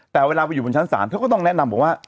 แต่เวลาไปอยู่บนชั้นศาลเขาก็ต้องแนะนำบอกว่า